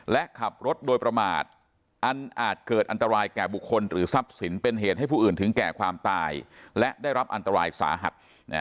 และขับรถโดยประมาทอันอาจเกิดอันตรายแก่บุคคลหรือทรัพย์สินเป็นเหตุให้ผู้อื่นถึงแก่ความตายและได้รับอันตรายสาหัส